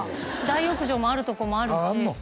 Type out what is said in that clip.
大浴場もあるとこもあるしあんの？